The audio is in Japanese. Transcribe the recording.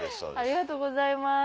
ありがとうございます。